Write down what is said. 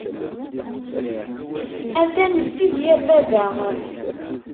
Atan d tizya n baba.